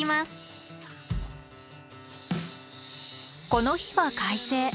この日は快晴。